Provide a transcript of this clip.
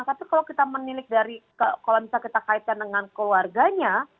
tapi kalau kita menilik dari kalau misalnya kita kaitkan dengan keluarganya